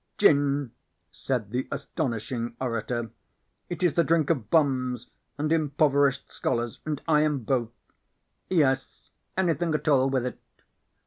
"Gin," said the astonishing orator. "It is the drink of bums and impoverished scholars, and I am both. Yes, anything at all with it."